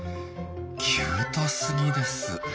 キュートすぎです！